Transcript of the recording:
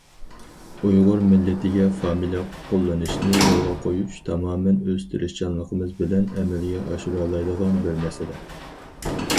ئۇيغۇر مىللىتىگە فامىلە قوللىنىشنى يولغا قويۇش تامامەن ئۆز تىرىشچانلىقىمىز بىلەن ئەمەلگە ئاشۇرالايدىغان بىر مەسىلە.